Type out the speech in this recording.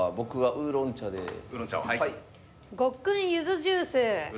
烏龍茶とごっくんゆずジュース。